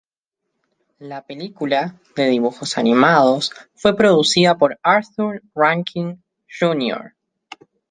La película, de dibujos animados, fue producida por Arthur Rankin Jr.